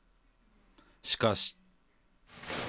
しかし。